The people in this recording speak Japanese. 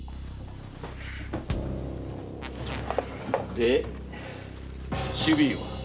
で首尾は？